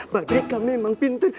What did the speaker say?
badrika memang pintar